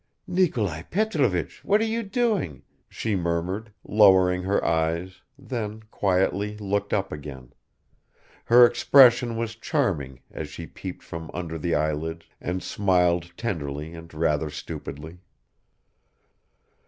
"Nikolai Petrovich, what are you doing?" she murmured, lowering her eyes, then quietly looked up again; her expression was charming as she peeped from under her eyelids and smiled tenderly and rather stupidly.